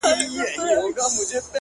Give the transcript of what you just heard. زه به همدغه سي شعرونه ليكم!!